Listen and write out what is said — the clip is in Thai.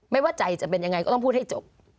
ว่าใจจะเป็นยังไงก็ต้องพูดให้จบ